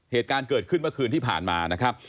เหตุการณ์เกิดขึ้นเมื่อคืนที่ผ่านมานะครับ